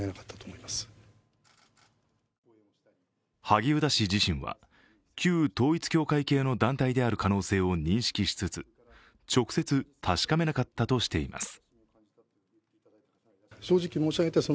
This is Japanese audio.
萩生田氏自身は旧統一教会系の団体である可能性を認識しつつ直接確かめなかったとしています。